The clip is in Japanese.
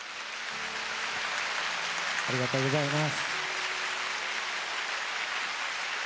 ありがとうございます。